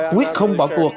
quyết không bỏ cuộc